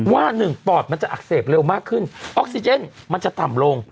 ว่าหนึ่งปอดมันจะอักเสบเร็วมากขึ้นออกซิเจนมันจะต่ำลง